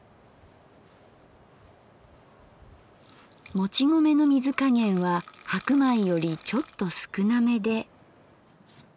もち米の水加減は白米よりちょっと少なめで。